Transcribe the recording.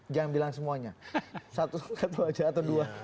jangan bilang semuanya satu aja atau dua